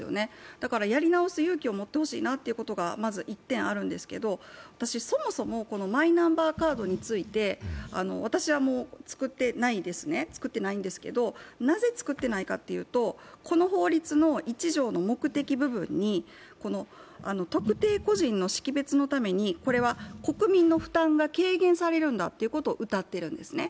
だからやり直す勇気を持ってほしいなっていうのがまず１点、あるんですけどそもそもマイナンバーカードについて、私は作ってないんですけどなぜ作ってないかというとこの法律の１条の目的部分に特定個人の識別のために国民の負担が軽減されるんだとうたっているんですね。